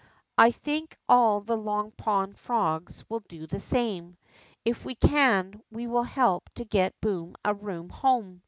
1 think all the Long Pond frogs will do the same. If we can, we will help to get Boom a Room home."